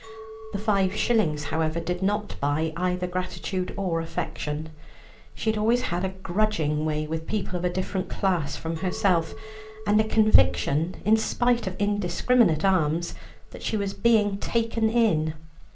The five shillings, however, did not buy either gratitude or affection. She had always had a grudging way with people of a different class from herself, and a conviction, in spite of indiscriminate alms, that she was being taken in.